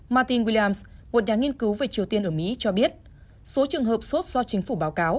martin williams một đảng nghiên cứu về triều tiên ở mỹ cho biết số trường hợp sốt do chính phủ báo cáo